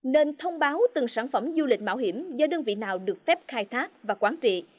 nên thông báo từng sản phẩm du lịch mạo hiểm do đơn vị nào được phép khai thác và quản trị